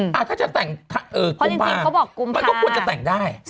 ถ้าจะแต่งกุมภาพันธ์เขาก็ควรจะแต่งได้